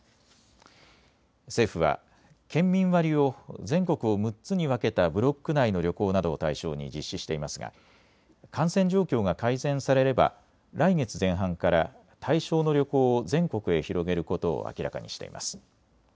政府は県民割を全国を６つに分けたブロック内の旅行などを対象に実施していますが感染状況が改善されれば来月前半から対象の旅行を全国へ広げることを明らかにしています。